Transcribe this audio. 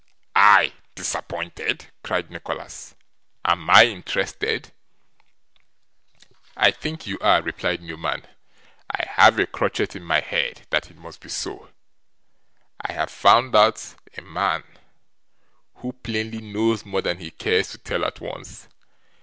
'I disappointed!' cried Nicholas; 'am I interested?' 'I think you are,' replied Newman. 'I have a crotchet in my head that it must be so. I have found out a man, who plainly knows more than he cares to tell at once.